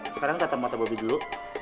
sekarang kata mata bobi dulu